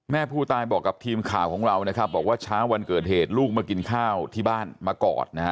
แม่ผู้ตายบอกกับทีมข่าวของเรานะครับบอกว่าเช้าวันเกิดเหตุลูกมากินข้าวที่บ้านมากอดนะฮะ